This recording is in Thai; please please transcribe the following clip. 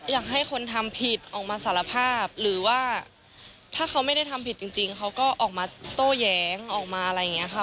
อยากให้คนทำผิดออกมาสารภาพหรือว่าถ้าเขาไม่ได้ทำผิดจริงเขาก็ออกมาโต้แย้งออกมาอะไรอย่างนี้ค่ะ